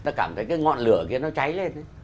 nó cảm thấy cái ngọn lửa kia nó cháy lên